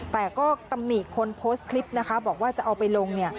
แต่ก็ตำหนิคนโพสต์คลิปนะคะบอกว่าจะเอาไปลง